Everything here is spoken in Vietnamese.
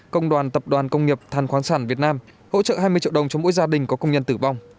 công đoàn tập đoàn công nghiệp than khoáng sản việt nam hỗ trợ hai mươi triệu đồng cho mỗi gia đình có công nhân tử vong